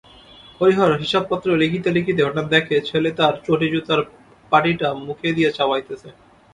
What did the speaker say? হরিহর হিসাবপত্র লিখিতে লিখিতে হঠাৎ দেখে ছেলে তার চটিজুতার পাটিটা মুখে দিয়া চিবাইতেছে!